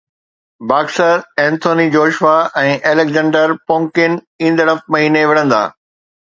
boxer Anthony Joshua ۽ Alexander Povetkin ايندڙ مهيني وڙهندا